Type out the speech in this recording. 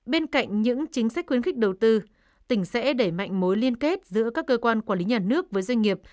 bên cạnh những chính sách khuyến khích đầu tư tỉnh sẽ đẩy mạnh mối liên kết giữa các cơ quan quản lý nhà nước với doanh nghiệp